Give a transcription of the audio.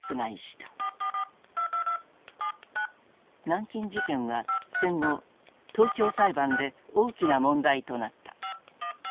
南京事件は戦後東京裁判で大きな問題となった。